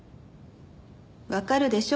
わかるでしょ？